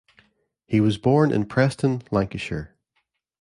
He was born in Preston, Lancashire.